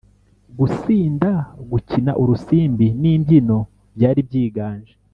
gusinda, gukina urusimbi n’imbyino byari byiganje,